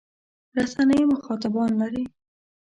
رسنۍ مخاطبان لري.